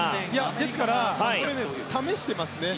ですから、試してますね。